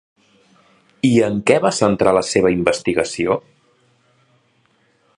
I en què va centrar la seva investigació?